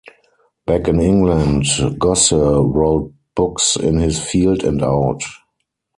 Back in England, Gosse wrote books in his field and out.